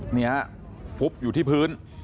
นี่ฮะฟุบอยู่ที่พื้น